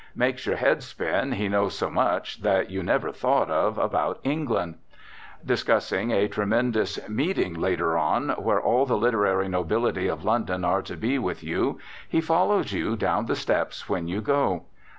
Makes your head spin, he knows so much that you never thought of about England. Discussing a tremendous meeting later on, where all the literary nobility of London are to be with you, he follows you down the steps when you go.